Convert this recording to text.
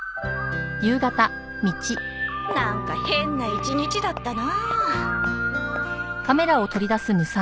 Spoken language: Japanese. なんか変な一日だったな。